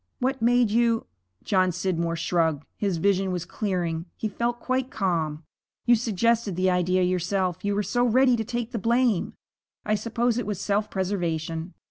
'What made you ' John Scidmore shrugged. His vision was clearing. He felt quite calm. 'You suggested the idea yourself. You were so ready to take the blame. I suppose it was self preservation.